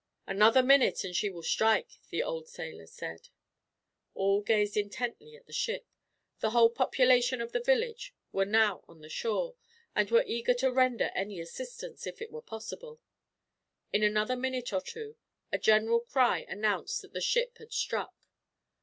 "Another minute and she will strike," the old sailor said. All gazed intently at the ship. The whole population of the village were now on the shore, and were eager to render any assistance, if it were possible. In another minute or two, a general cry announced that the ship had struck.